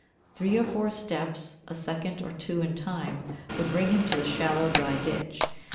Three or four steps, a second or two in time, would bring him to the shallow, dry ditch.